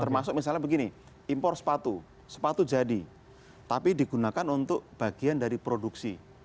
termasuk misalnya begini impor sepatu sepatu jadi tapi digunakan untuk bagian dari produksi